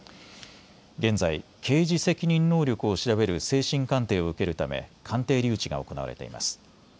現在、刑事責任能力を調べる精神鑑定を受けるため鑑定留置が行われています。